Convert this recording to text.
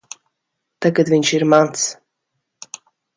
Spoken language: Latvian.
Tagad viņš ir mans.